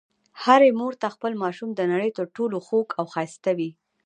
هرې مور ته خپل ماشوم د نړۍ تر ټولو خوږ او ښایسته وي.